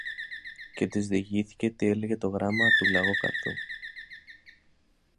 Και της διηγήθηκε τι έλεγε το γράμμα του Λαγόκαρδου